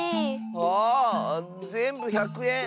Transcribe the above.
あぜんぶ１００えん。